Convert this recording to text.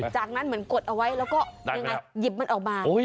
จากนั้นเหมือนกดเอาไว้แล้วก็ยังไงหยิบมันออกมา